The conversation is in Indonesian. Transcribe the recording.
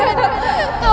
jangan jangan jangan